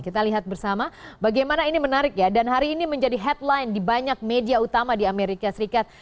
kita lihat bersama bagaimana ini menarik ya dan hari ini menjadi headline di banyak media utama di amerika serikat